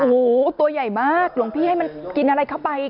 โอ้โหตัวใหญ่มากหลวงพี่ให้มันกินอะไรเข้าไป